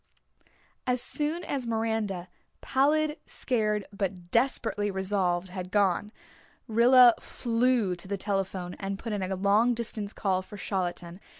As soon as Miranda, pallid, scared, but desperately resolved, had gone, Rilla flew to the telephone and put in a long distance call for Charlottetown.